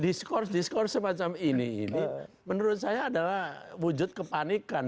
diskurs diskurs semacam ini menurut saya adalah wujud kepanikan